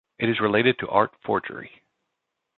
It is related to art forgery.